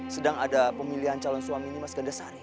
sedang ada pemilihan calon suami nimas gandasari